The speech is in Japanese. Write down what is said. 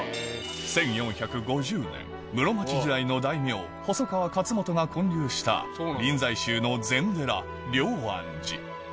１４５０年室町時代の大名細川勝元が建立した以降されてきたおぉ。